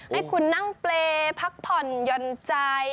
ให้คุณนั่งเปลี่ยนพักผ่อนยนต์ใจ